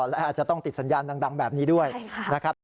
และอาจจะต้องติดสัญญาณดังแบบนี้ด้วยนะครับ